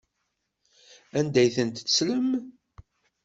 Anda ay ten-tettlem?